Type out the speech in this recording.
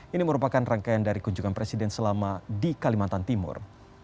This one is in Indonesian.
ini merupakan rangkaian dari kunjungan presiden selama di kalimantan timur